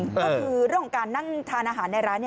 ก็คือเรื่องของการนั่งทานอาหารในร้าน